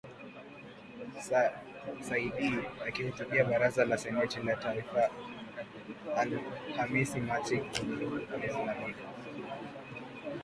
Saydee akihutubia Baraza la Seneti la taifa Alhamisi Machi kumi alilalamika